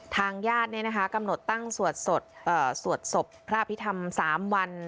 ทางญาติกำหนดตั้งสวดศพพระอภิษฐรรม๓วัน